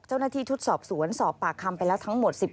เจ้าหน้าที่ชุดสอบสวนสอบปากคำไปแล้วทั้งหมด